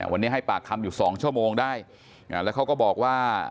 วันนี้ให้ปากคำอยู่สองชั่วโมงได้แล้วเขาก็บอกว่า